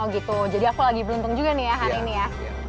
gitu jadi aku lagi beruntung juga nih ya hari ini ya